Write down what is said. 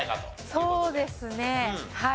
そうですねはい。